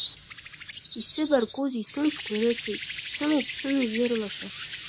Исыбаргәузеи, сымчқәа ирыцлеит, дсымоуп сымҩа зырлашо!